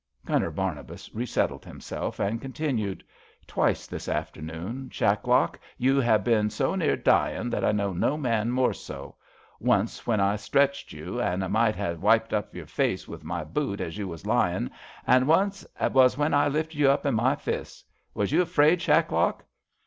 Gunner Barnabas resettled himself and con tinued: Twice this afternoon, ShacHock, you 'ave been so near dyin' that I know no man more 80. Once was when I stretched you, an' might ha' wiped off your face with my boot as you was lyin' ; an' once was when I lifted you up in my fists. Was you afraid, Shacklock?